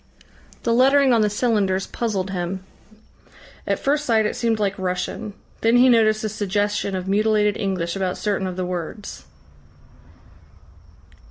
The lettering on the cylinders puzzled him. At first sight it seemed like Russian. Then he noticed a suggestion of mutilated English about certain of the words.